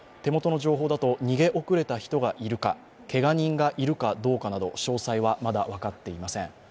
逃げ遅れた人がいるかけが人がいるかどうかなど詳細はまだ分かっていません。